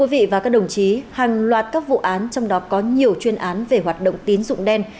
quý vị và các đồng chí hàng loạt các vụ án trong đó có nhiều chuyên án về hoạt động tín dụng đen